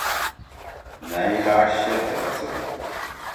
نأئی لاݜ شیرتے لھسَدُو۔